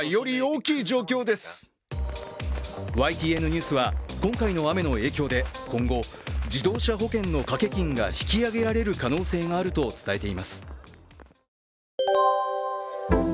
ＹＴＮニュースは今回の雨の影響で今後自動車保険の掛け金が引き上げられる可能性があると伝えています。